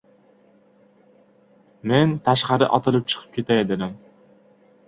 Men tashqari otilib chiqib ketay, dedim.